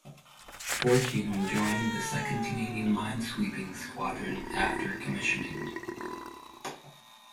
"Fortune" joined the Second Canadian Minesweeping Squadron after commissioning.